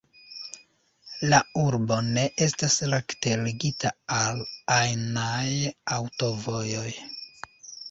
La urbo ne estas rekte ligita al ajnaj aŭtovojoj.